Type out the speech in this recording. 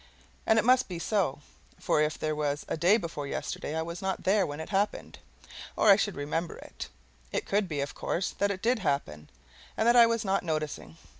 And it must be so, for if there was a day before yesterday I was not there when it happened, or I should remember it. It could be, of course, that it did happen, and that I was not noticing.